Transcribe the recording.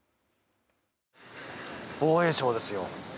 防衛省ですよ。